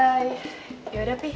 eh ya udah pi